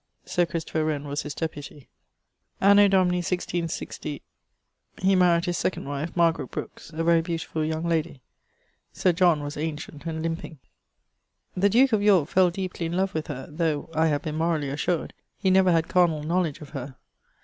Sir Christopher Wren was his deputie. Anno Domini 166.. he maried his 2d wife, Brookes, a very beautifull young lady; Sir John was ancient and limping. The duke of Yorke fell deepely in love with her, though (I have been morally assured) he never had carnall knowledge of her.